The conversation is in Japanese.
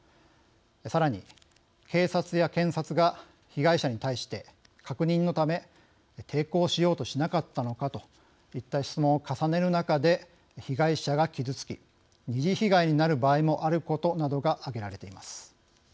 さらに、警察や検察が被害者に対して、確認のため抵抗しようとしなかったのかといった質問を重ねる中で被害者が傷つき二次被害になる場合もあることなどが挙げられています。